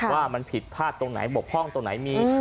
ว่ามันผิดพลาดตรงไหนบกพร่องตรงไหนมี